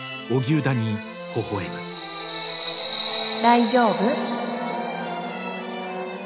大丈夫？